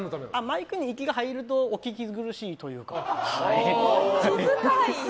マイクに息が入るとお聞き苦しいというか。